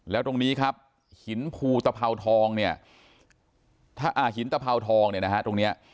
แล้วตรงนี้ครับหินภูตะเภาทองเนี่ยหินตะเภาทองเนี่ยนะฮะตรงนี้